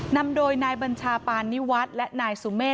นำโดยนายบัญชาปานิวัฒน์และนายสุเมฆ